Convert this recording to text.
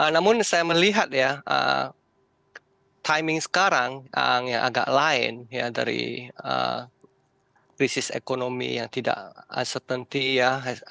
namun saya melihat ya timing sekarang yang agak lain ya dari krisis ekonomi yang tidak setenty ya